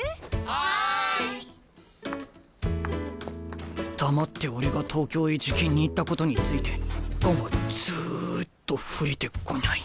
心の声黙って俺が東京へ受験に行ったことについてオカンはずっと触れてこない。